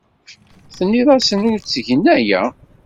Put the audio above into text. Tenniḍ-asen ur ttgen aya.